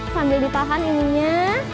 sambil dipaham ininya